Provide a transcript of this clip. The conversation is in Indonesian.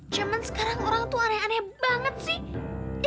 cuman sekarang orang itu aneh aneh banget sih